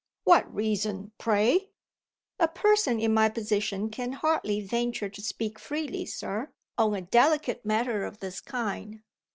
"What reason, pray?" "A person in my position can hardly venture to speak freely, Sir, on a delicate matter of this kind."